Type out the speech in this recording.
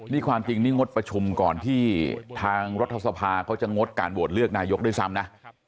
นี่ความจริงนี่งดประชุมก่อนที่ทางรัฐสภาเขาจะงดการโหวตเลือกนายกด้วยซ้ำนะ